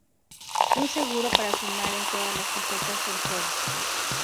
Un seguro para sumar en todas las facetas del juego.